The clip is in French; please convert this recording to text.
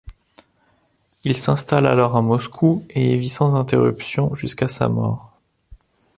Il s'installe alors à Moscou et y vit sans interruption jusqu'à sa mort.